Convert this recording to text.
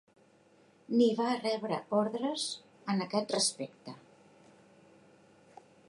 Ni va rebre ordres en aquest respecte.